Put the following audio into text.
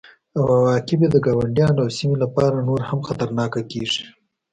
او عواقب یې د ګاونډیانو او سیمې لپاره نور هم خطرناکه کیږي